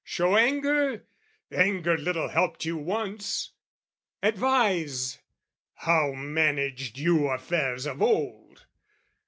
Show anger? "Anger little helped you once!" Advise? "How managed you affairs of old?"